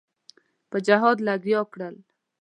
په جهاد لګیا کړل.